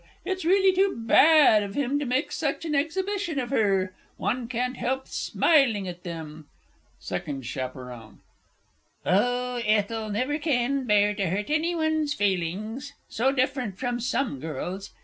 It's really too bad of him to make such an exhibition of her one can't help smiling at them! SECOND CH. Oh, Ethel never can bear to hurt any one's feelings so different from some girls!